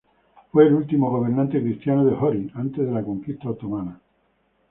Fue el último gobernante cristiano de Ohrid antes de la conquista otomana.